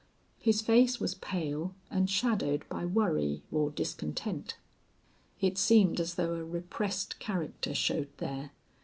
His face was pale, and shadowed by worry or discontent. It seemed as though a repressed character showed there.